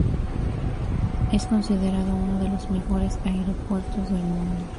Es considerado uno de los mejores aeropuertos del mundo.